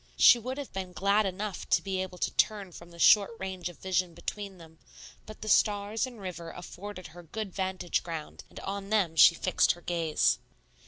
She would have been glad enough to be able to turn from the short range of vision between them; but the stars and river afforded her good vantage ground, and on them she fixed her gaze.